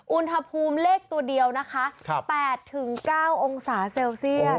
อุณหภูมิเลขตัวเดียวนะคะ๘๙องศาเซลเซียส